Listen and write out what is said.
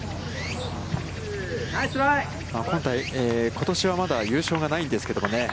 ことしはまだ優勝がないんですけどもね。